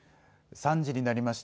３時になりました。